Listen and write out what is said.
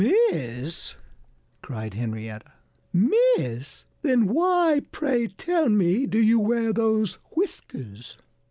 "Miss!" cried Henrietta. "Miss! Then why, pray tell me, do you wear those whiskers?"